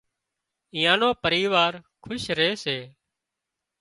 ايئان نُون پريوار کُش ري سي